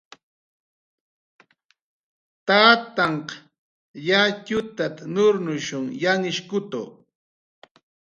"Tatanhq yatxutat"" nurnushunht"" yanhishkutu. "